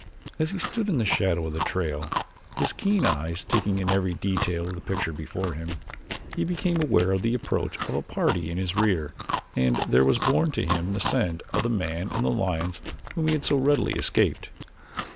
As he stood in the shadow of the trail, his keen eyes taking in every detail of the picture before him, he became aware of the approach of a party in his rear and there was borne to him the scent of the man and the lions whom he had so readily escaped.